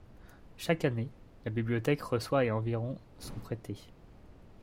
Chaque année, la bibliothèque reçoit et environ sont prêtées.